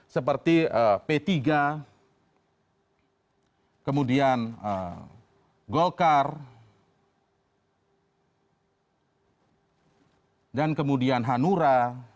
seperti p tiga kemudian golkar dan kemudian hanura